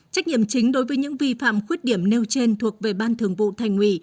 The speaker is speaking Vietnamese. trách nhiệm chính đối với những vi phạm khuyết điểm nêu trên thuộc về ban thường vụ thành ủy